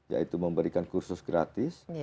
yaitu memberikan kursus gratis